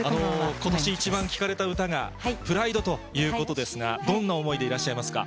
今年イチバン聴かれた歌が、ＰＲＩＤＥということですが、どんな思いでいらっしゃいますか。